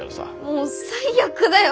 もう最悪だよ。